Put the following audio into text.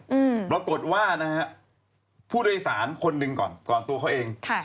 อืมปรากฏว่านะฮะผู้โดยสารคนหนึ่งก่อนก่อนตัวเขาเองค่ะ